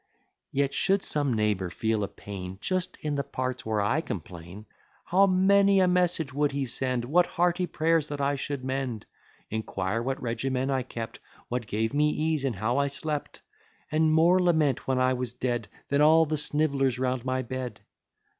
Yet, shou'd some neighbour feel a pain Just in the parts where I complain; How many a message would he send! What hearty prayers that I should mend! Inquire what regimen I kept; What gave me ease, and how I slept? And more lament when I was dead, Than all the sniv'llers round my bed.